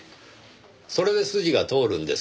それで筋が通るんですよ。